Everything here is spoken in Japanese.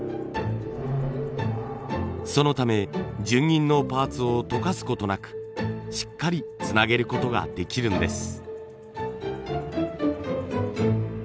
そのため純銀のパーツを溶かすことなくしっかりつなげることができるんです。